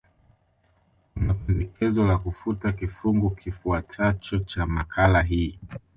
Kuna pendekezo la kufuta kifungu kifuatacho cha makala hii